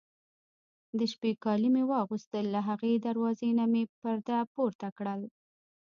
د شپې کالي مې واغوستل، له هغې دروازې نه مې پرده پورته کړل.